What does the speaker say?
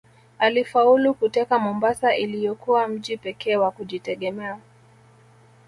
Alifaulu kuteka Mombasa iliyokuwa mji pekee wa kujitegemea